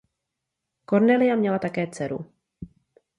Cornelia měla také dceru.